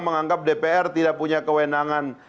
menganggap dpr tidak punya kewenangan